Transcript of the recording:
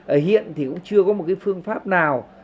ở hiện thì cũng chưa có một cái phương pháp nào